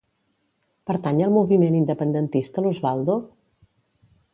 Pertany al moviment independentista l'Osbaldo?